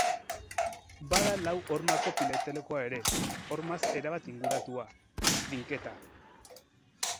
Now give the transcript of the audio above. Bada lau hormako pilotalekua ere, hormaz erabat inguratua: trinketa.